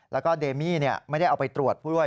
แล้วก็เดมี่ไม่ได้เอาไปตรวจผู้ด้วย